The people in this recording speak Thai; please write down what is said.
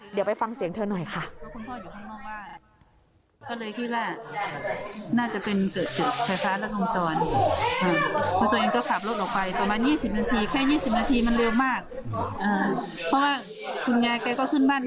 เดี๋ยวไปฟังเสียงเธอหน่อยค่ะ